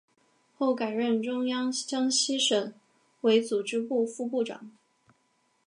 后改任中共江西省委组织部副部长。